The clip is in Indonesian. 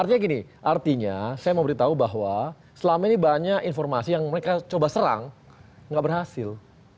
artinya gini artinya saya mau beritahu bahwa selama ini banyak informasi yang mereka coba serang nggak berhasil